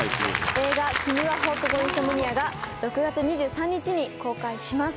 映画『君は放課後インソムニア』が６月２３日に公開します。